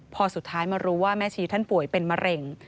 พอสุดท้ายมารู้ว่าแม่ชีท่านป่วยเป็นมะเร็ง